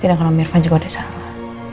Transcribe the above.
tidak kalau om irfan juga udah salah